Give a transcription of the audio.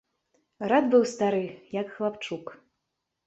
Рад быў стары, як хлапчук.